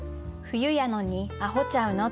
「冬やのにあほちゃうの」。